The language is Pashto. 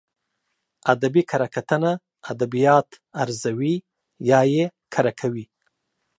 ادبي کره کتنه ادبيات ارزوي يا يې کره کوي.